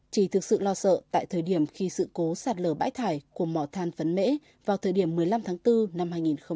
chỉ thực sự lo sợ tại thời điểm khi sự cố sạt lở bãi thải của mỏ than phấn mễ vào thời điểm một mươi năm tháng bốn năm hai nghìn hai mươi